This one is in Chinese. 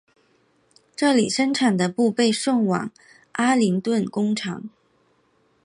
这里生产的布被送往阿灵顿工厂。